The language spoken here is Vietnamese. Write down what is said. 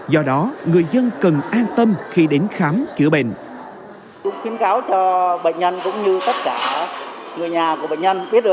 do đó người dân cần an tâm khi đến khám chữa bệnh